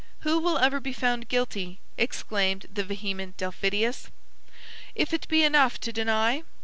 "Who will ever be found guilty," exclaimed the vehement Delphidius, "if it be enough to deny?"